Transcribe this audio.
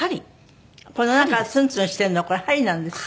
このなんかツンツンしてるのこれは鍼なんですか？